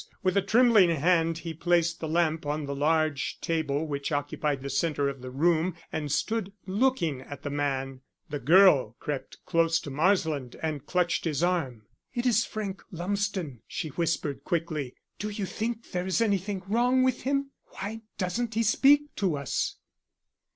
With a trembling hand he placed the lamp on the large table which occupied the centre of the room and stood looking at the man. The girl crept close to Marsland and clutched his arm. "It is Frank Lumsden," she whispered quickly. "Do you think there is anything wrong with him? Why doesn't he speak to us?"